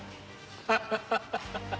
ハハハハハハッ！